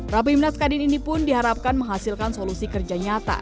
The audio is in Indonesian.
rapimnas kadin ini pun diharapkan menghasilkan solusi kerja nyata